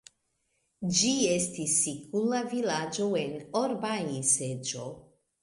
Ĝi estis sikula vilaĝo en Orbai-seĝo.